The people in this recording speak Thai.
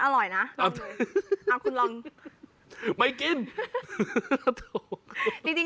สุดยอดน้ำมันเครื่องจากญี่ปุ่น